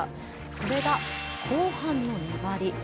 それが、後半の粘り。